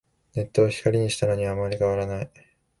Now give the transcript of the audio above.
ネットを光にしたのにあんまり変わらない